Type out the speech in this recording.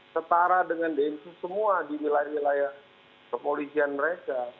setara dengan densus semua di nilai nilai kepolisian mereka